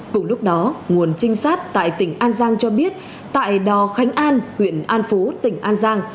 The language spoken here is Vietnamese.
cùng lúc đó nguồn trinh sát tại tỉnh an giang cho biết tại đò khánh an huyện an phú tỉnh an giang